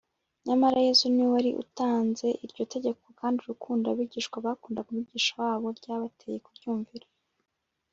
nyamara yesu niwe wari utanze iryo tegeko, kandi urukundo abigishwa bakundaga umwigisha wabo rwabateye kuryumvira